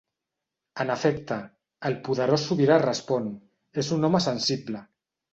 En efecte, el poderós sobirà respon: "És un home sensible".